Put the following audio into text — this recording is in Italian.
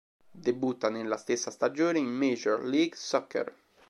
Debutta nella stessa stagione in Major League Soccer.